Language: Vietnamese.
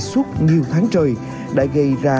suốt nhiều tháng trời đã gây ra